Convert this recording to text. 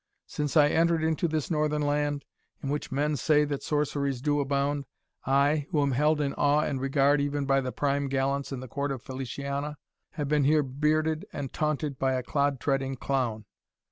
Since I entered into this northern land, in which men say that sorceries do abound, I, who am held in awe and regard even by the prime gallants in the court of Feliciana, have been here bearded and taunted by a clod treading clown.